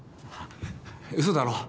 嘘だろう？